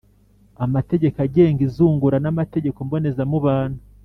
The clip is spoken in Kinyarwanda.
amategeko agenga izungura n’amategeko mbonezamubano,